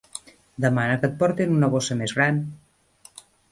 Demana que et portin una bossa més gran?